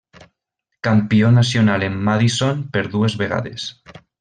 Campió nacional en Madison per dues vegades.